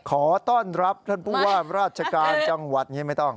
ขอต้อนรับท่านผู้ว่าราชการจังหวัดอย่างนี้ไม่ต้อง